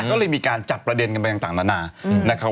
ก็เลยมีการจับประเด็นกันไปต่างมาหน้า